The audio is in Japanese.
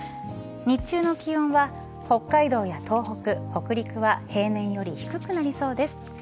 日中の気温は北海道や東北北陸は平年より低くなりそうです。